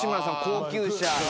高級車